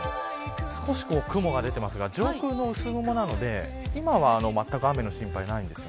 少し雲が出ていますが上空の薄雲なんで今は、全く雨の心配ありません。